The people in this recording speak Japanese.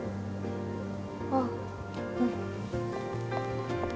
ああうん。